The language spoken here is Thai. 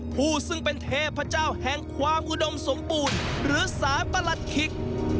ผู้ซึ่งเป็นเทพเจ้าแห่งความอุดมสมบูรณ์หรือสาประหลัดขิก